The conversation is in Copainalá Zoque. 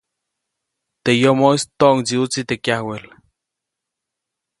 Teʼ yomoʼis toʼŋdsiʼutsi teʼ kyawel.